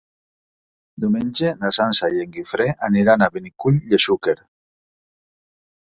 Diumenge na Sança i en Guifré aniran a Benicull de Xúquer.